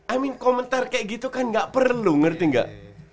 i mean komentar kayak gitu kan gak perlu ngerti gak